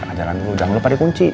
kaka jalan dulu jangan lupa di kunci